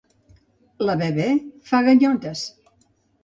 La Bebè fa ganyotes.